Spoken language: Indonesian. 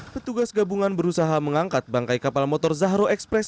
petugas gabungan berusaha mengangkat bangkai kapal motor zahro express